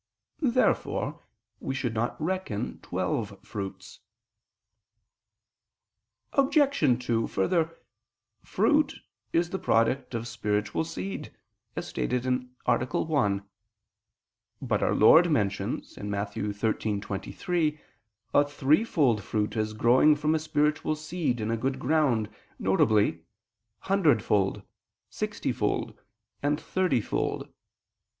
Therefore we should not reckon twelve fruits. Obj. 2: Further, fruit is the product of spiritual seed, as stated (A. 1). But Our Lord mentions (Matt. 13:23) a threefold fruit as growing from a spiritual seed in a good ground, viz. "hundredfold, sixtyfold," and "thirtyfold."